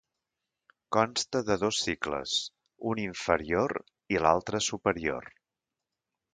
Consta de dos cicles, un inferior i l'altre superior.